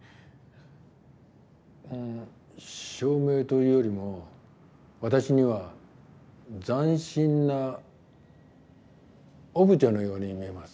照明というよりも私には斬新なオブジェのように見えます。